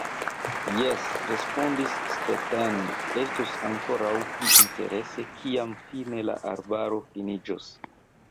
Jes, respondis Stetten, estos ankoraŭ pli interese, kiam fine la arbaro finiĝos.